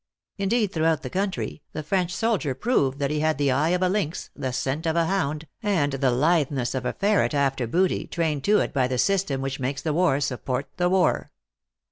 Indeed, throughout the country, the French soldier proved that he had the eye of a lynx, the scent of a hound, and the litheness of a fer ret after booty, trained to it by the system which makes the war support the war.